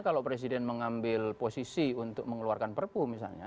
kalau presiden mengambil posisi untuk mengeluarkan perpu misalnya